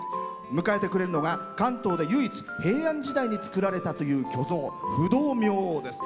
迎えてくれるのが、関東で唯一平安時代に作られたという巨像不動明王です。